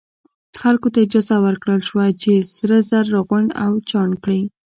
خلکو ته اجازه ورکړل شوه چې سره زر راغونډ او چاڼ کړي.